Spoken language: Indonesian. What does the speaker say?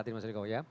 tidak mas riko ya